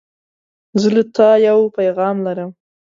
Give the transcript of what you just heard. زه له تا یو پیغام لرم.